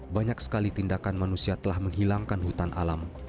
banyak sekali tindakan manusia telah menghilangkan hutan alam